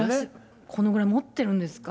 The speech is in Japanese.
このぐらい持ってるんですか。